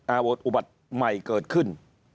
อาวุธอุบัติใหม่เกิดขึ้น